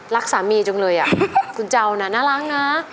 รักสามีจังเลยอ่ะคุณเจ้าน่ะน่ารักนะ